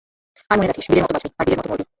আর মনে রাখিস, বীরের মতো বাঁচবি, আর বীরের মতো মরবি।